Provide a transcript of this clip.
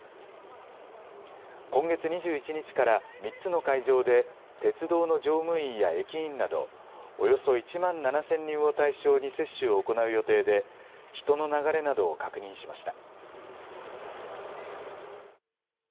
今月２１日から、３つの会場で、鉄道の乗務員や駅員など、およそ１万７０００人を対象に接種を行う予定で、人の流れなどを確認しました。